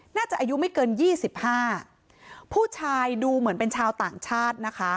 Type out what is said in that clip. น่าจะอายุไม่เกินยี่สิบห้าผู้ชายดูเหมือนเป็นชาวต่างชาตินะคะ